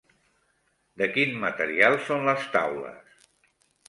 De quin material són les taules?